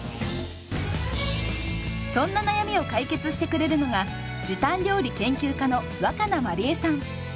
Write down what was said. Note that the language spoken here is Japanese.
そんな悩みを解決してくれるのが時短料理研究家の若菜まりえさん。